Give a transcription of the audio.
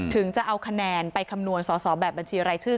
ถึงจะเอาคะแนนไปคำนวณสอสอแบบบัญชีรายชื่อ